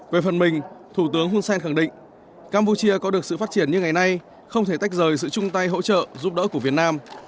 về phần mình thủ tướng hun sen khẳng định campuchia có được sự phát triển như ngày nay không thể tách rời sự chung tay hỗ trợ giúp đỡ của việt nam